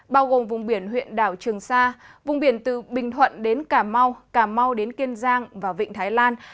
bao gồm vùng biển huyện đảo trường sa vùng biển từ bình thuận đến cà mau cà mau đến kiên giang và vịnh thái lan